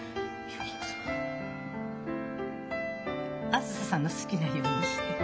あづささんの好きなようにして。